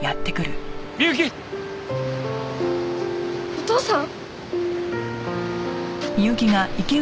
お父さん！